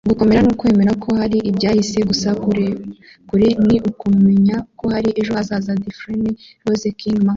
gukomera ni ukwemera ko hari ibyahise gusa; kurekura ni ukumenya ko hari ejo hazaza - daphne rose kingma